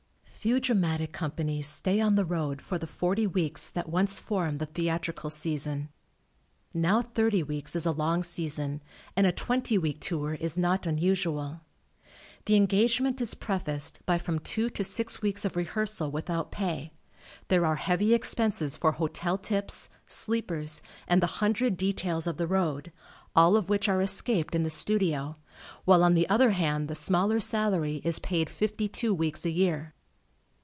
Few dramatic companies stay on the road for the forty weeks that once formed the theatrical season. Now thirty weeks is a long season and a twenty week tour is not unusual. The engage ment is prefaced by from two to six weeks of rehearsal without pay, there are heavy expenses for hotel tips, sleepers and the hundred details of the road, all of which are escaped in the studio, while on the other hand the smaller salary paid is paid fifty two weeks a year.